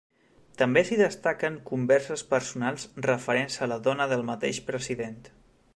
També s'hi destaquen converses personals referents a la dona del mateix president.